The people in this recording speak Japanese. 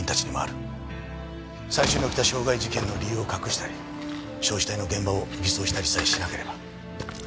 最初に起きた傷害事件の理由を隠したり焼死体の現場を偽装したりさえしなければ。